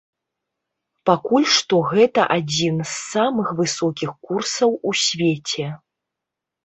Пакуль што гэта адзін з самых высокіх курсаў у свеце.